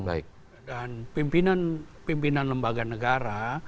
dan pimpinan lembaga negara